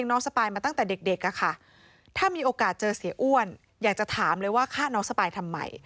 อยากจะถามเลยว่าฆ่าน้องสปายทำไม